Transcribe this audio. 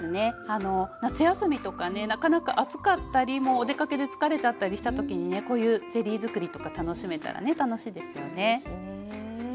夏休みとかねなかなか暑かったりもうお出かけで疲れちゃったりした時にねこういうゼリーづくりとか楽しめたらね楽しいですよね。ですね。